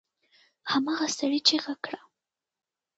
هماغه سړي چيغه کړه!